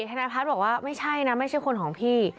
ธนพัฒน์บอกว่าไม่ใช่นะไม่ใช่คนของพี่